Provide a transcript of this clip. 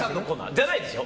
じゃないですよ。